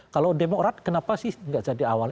kalau demokrat kenapa sih gak sejak dari awal